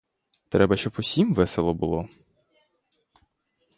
Треба, щоб усім весело було.